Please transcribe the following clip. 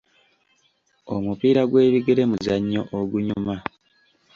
Omupiira gw'ebigere muzannyo ogunyuma.